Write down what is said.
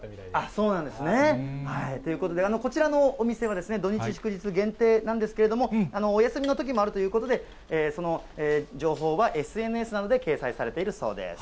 そうなんですね。ということで、こちらのお店は、土日祝日限定なんですけれども、お休みのときもあるということで、その情報はＳＮＳなどに掲載されているそうです。